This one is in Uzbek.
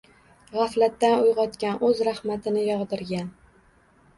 Gʻaflatdan uygʻotgan, oʻz rahmatini yogʻdirgan!